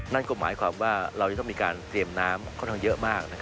นั่นก็หมายความว่าเราจะต้องมีการเตรียมน้ำค่อนข้างเยอะมาก